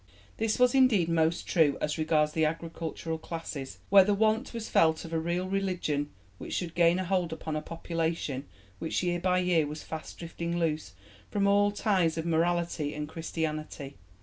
This was indeed most true as regards the agricultural classes, where the want was felt of a real religion which should gain a hold upon a population which year by year was fast drifting loose from all ties of morality and Christianity.